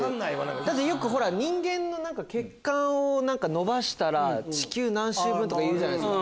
だってよく人間の血管を伸ばしたら地球何周分とかいうじゃないですか。